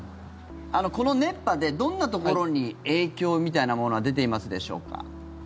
この熱波でどんなところに影響みたいなものは出ていますでしょうか。